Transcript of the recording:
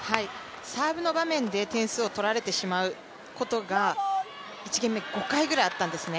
サーブの場面で点数を取られてしまうことが１ゲーム目、５回ぐらいあったんですね。